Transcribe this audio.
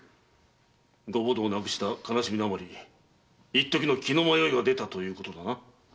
ご母堂を亡くした悲しみのあまり一時の気の迷いが出たということだな。